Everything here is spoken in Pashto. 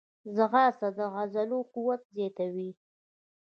ځغاسته د عضلو قوت زیاتوي